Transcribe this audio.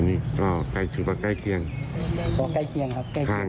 การมีรูปภาพเป็นหลักฐาน